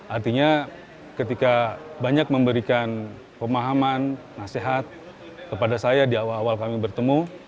artinya ketika banyak memberikan pemahaman nasihat kepada saya di awal awal kami bertemu